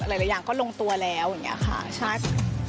หลายอย่างก็ลงตัวแล้วอย่างนี้ค่ะใช่